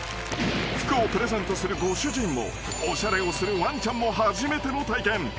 ［服をプレゼントするご主人もおしゃれをするワンチャンも初めての体験］